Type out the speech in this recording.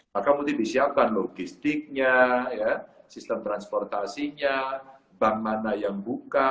maka mesti disiapkan logistiknya sistem transportasinya bank mana yang buka